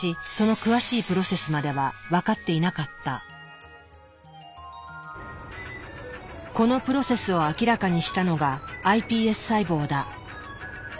しかしこのプロセスを明らかにしたのがｉＰＳ細胞だ。